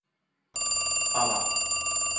爸爸